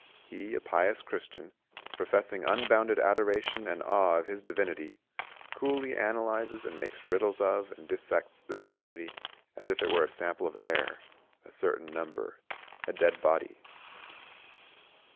He, a pious Christian, professing unbounded adoration and awe of his Divinity, coolly analyses and makes riddles of and dissects this Divinity as if it were a sample of air, a certain number, a dead body.